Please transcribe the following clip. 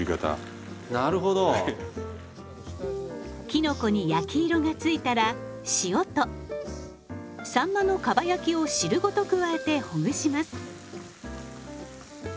きのこに焼き色がついたら塩とさんまのかば焼きを汁ごと加えてほぐします。